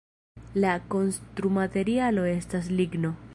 La konstrumaterialo estas ligno.